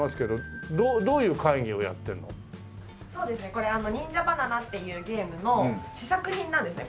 これあの忍者バナナっていうゲームの試作品なんですね